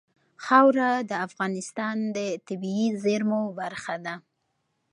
خاوره د افغانستان د طبیعي زیرمو برخه ده.